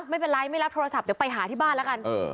ไม่เป็นไรไม่รับโทรศัพท์เดี๋ยวไปหาที่บ้านแล้วกัน